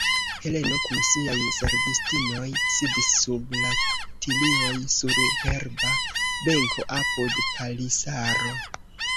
Heleno kun siaj servistinoj sidis sub la tilioj sur herba benko, apud palisaro.